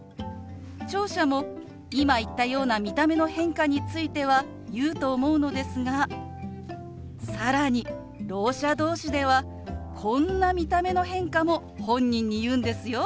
聴者も今言ったような見た目の変化については言うと思うのですが更にろう者同士ではこんな見た目の変化も本人に言うんですよ。